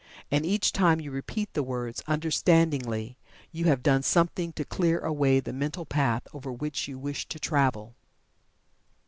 And each time you repeat the words, understandingly, you have done something to clear away the mental path over which you wish to travel.